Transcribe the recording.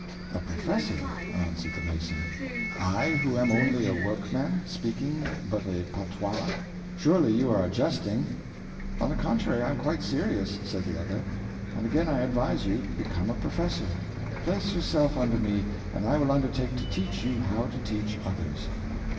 "" A professor? '^ answered the mason —" I, who am only a workman, speaking but a patois! Surely you are jesting? "'' On the contrary, I am quite serious," said the other, " and again I advise you — become a professor; place your self under me, and I will undertake to teach you how to teach others."